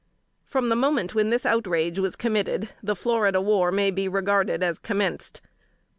From the moment when this outrage was committed, the Florida War may be regarded as commenced.